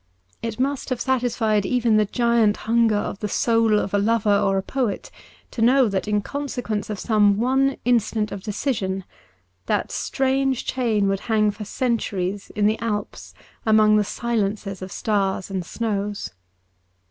It must have satisfied even the giant hunger of the soul of a lover or a poet to know that in conse quence of some one instant of decision that strange chain would hang for centuries in the Alps among the silences of stars and snows.